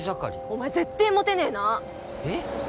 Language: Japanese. お前ぜってーモテねえなえっ？